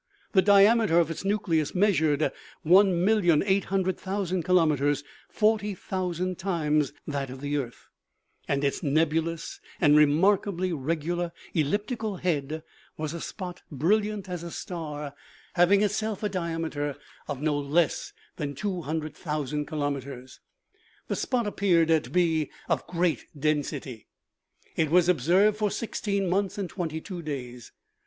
The diameter of its nucleus measured 1,800,000 kilometers, forty thousand times that of the earth, and its nebulous and remarkably regular elliptical head was a spot brilliant as a star, having 3 6 OMEGA. itself a diameter of no less than 200,000 kilometers. The spot appeared to be of great density. It was ob served for sixteen months and twenty two days.